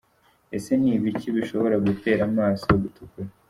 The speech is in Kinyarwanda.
Ese ni ibiki bishobora gutera amaso gutukura?.